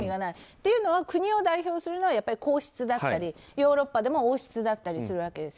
というのは、国を代表するのはやっぱり皇室だったりヨーロッパでも王室だったりするわけです。